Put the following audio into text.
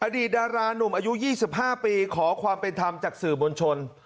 อดีตดารานุ่มอายุ๒๕ปีขอความเป็นธรรมจากสื่อมวลชน